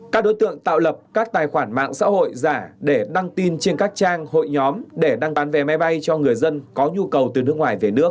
các đối tượng tạo lập các tài khoản mạng xã hội giả để đăng tin trên các trang hội nhóm để đăng bán vé máy bay cho người dân có nhu cầu từ nước ngoài về nước